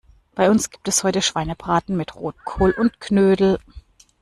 Bei uns gibt es heute Schweinebraten mit Rotkohl und Knödel.